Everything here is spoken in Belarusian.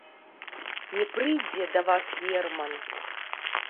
Не прыйдзе да вас герман.